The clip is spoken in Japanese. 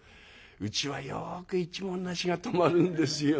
うちはよく一文無しが泊まるんですよ。